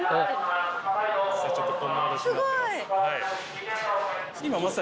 すごい！